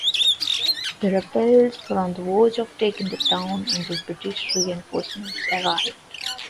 The rebels were on the verge of taking the town until British reinforcements arrived.